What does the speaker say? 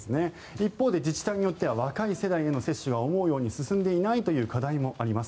一方で自治体によっては若い世代への接種が思うように進んでいないという課題もあります。